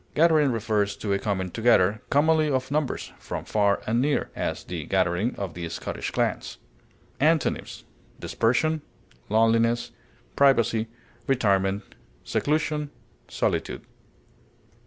Gathering refers to a coming together, commonly of numbers, from far and near; as, the gathering of the Scottish clans. Antonyms: dispersion, loneliness, privacy, retirement, seclusion, solitude.